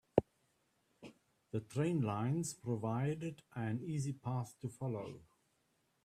The train lines provided an easy path to follow.